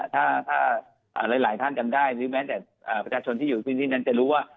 ถ้าหลายท่านจำได้หรือแม้แต่ประชาชนที่อยู่พื้นที่นั้นจะรู้ว่า